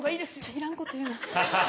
いらんこと言うな。